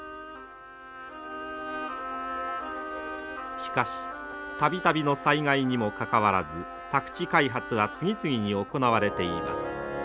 しかし度々の災害にもかかわらず宅地開発は次々に行われています。